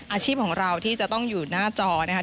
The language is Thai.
อาชีพของเราที่จะต้องอยู่หน้าจอนะคะ